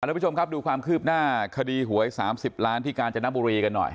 ทุกผู้ชมครับดูความคืบหน้าคดีหวย๓๐ล้านที่กาญจนบุรีกันหน่อย